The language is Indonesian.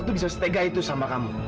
itu bisa setegah itu sama kamu